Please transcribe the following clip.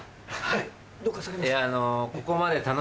はい。